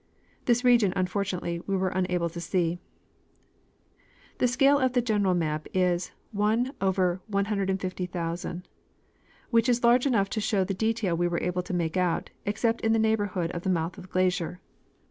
This region, unfortunately, we were unable to see. The scale of the general map is ysoVto"; which is large enough to shoAV the detail we were able to make out, except in the neigh borhood of the mouth of the glacier.